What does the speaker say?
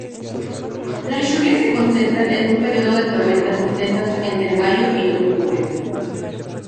Las lluvias se concentran en un período de tormentas intensas entre mayo y octubre.